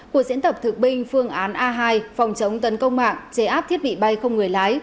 cuộc diễn tập thực binh phương án a hai phòng chống tấn công mạng chế áp thiết bị bay không người lái